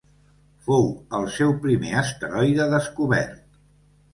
Fou el seu primer asteroide descobert.